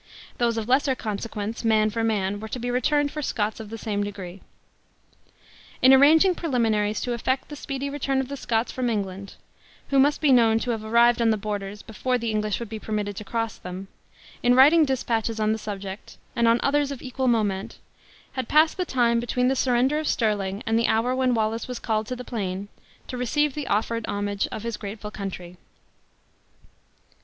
Those of lesser consequence, man for man, were to be returned for Scots of the same degree. In arranging preliminaries to effect the speedy return of the Scots from England (who must be known to have arrived on the borders, before the English would be permitted to cross them); in writing dispatches on this subject, and on others of equal moment, had passed the time between the surrender of Stirling and the hour when Wallace was called to the plain, to receive the offered homage of his grateful country.